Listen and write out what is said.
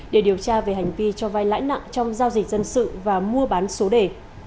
để điều tra về hành vi cho vai lãi nặng trong giao dịch dân sự và mua bán số đề